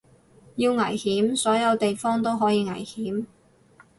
要危險所有地方都可以危險